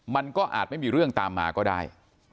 มันก็อาจไม่มีเรื่องตามมาก็ได้